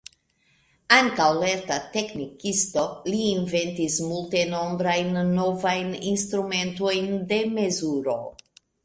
Ankaŭ lerta teknikisto, li inventis multenombrajn novajn instrumentojn de mezuro.